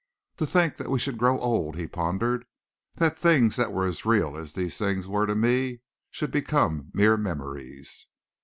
"To think that we should grow old," he pondered, "that things that were as real as these things were to me, should become mere memories."